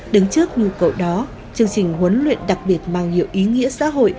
đứng trước nhu cầu đó chương trình huấn luyện đặc biệt mang nhiều ý nghĩa xã hội